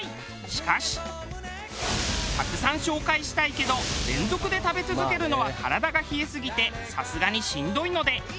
しかしたくさん紹介したいけど連続で食べ続けるのは体が冷えすぎてさすがにしんどいので。